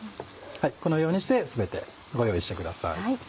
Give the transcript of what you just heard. このようにして全てご用意してください。